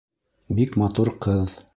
Бик матур ҡыҙ.